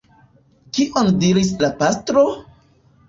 Kion diris la pastro?